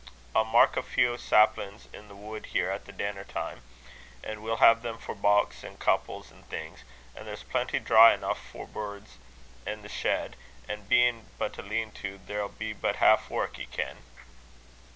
I'll mark a feow saplin's i' the wud here at denner time, an' we'll hae them for bauks, an' couples, an' things; an' there's plenty dry eneuch for beurds i' the shed, an' bein' but a lean to, there'll be but half wark, ye ken."